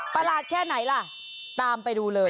ประหลาดแค่ไหนล่ะตามไปดูเลย